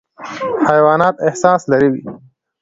حیوانات احساس لري.